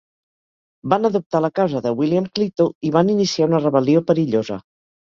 Van adoptar la causa de William Clito i van iniciar una rebel·lió perillosa.